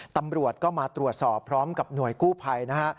ตำรวจก็มาตรวจสอบพร้อมกับหน่วยกู้ภัยนะฮะ